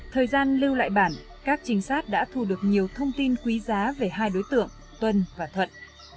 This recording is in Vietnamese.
thời gian lưu lại bản các trinh sát đã thu được nhiều thông tin quý giá về hai đối tượng tuân và thuận